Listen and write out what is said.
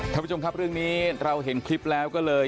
ท่านผู้ชมครับเรื่องนี้เราเห็นคลิปแล้วก็เลย